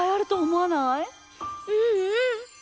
うんうん！